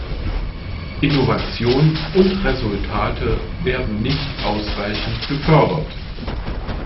Innovation und Resultate werden nicht ausreichend gefördert.